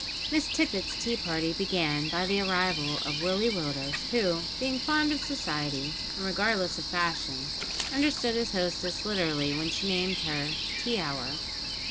Miss Tippet's tea party began by the arrival of Willie Willders, who, being fond of society, and regardless of fashion, understood his hostess literally when she named her tea hour!